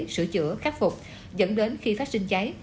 sửa chữa khắc phục dẫn đến khi phát sinh cháy